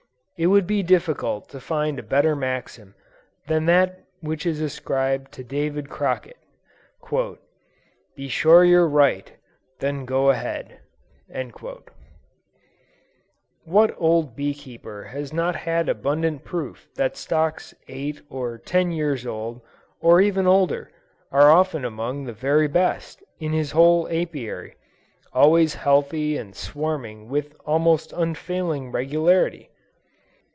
It would be difficult to find a better maxim than that which is ascribed to David Crockett; "Be sure you're right, then go ahead." What old bee keeper has not had abundant proof that stocks eight or ten years old, or even older, are often among the very best, in his whole Apiary, always healthy and swarming with almost unfailing regularity!